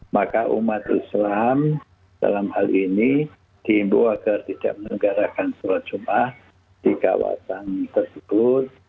maka umat islam dalam hal ini diimbu agar tidak menegarakan sholat jumat di kawasan tersebut